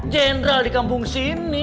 jendral dikampung sini